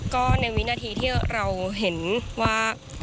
ก็ในวินาทีที่เราเห็นว่า